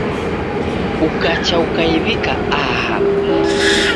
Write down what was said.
Ukacha ukaiw'ika aha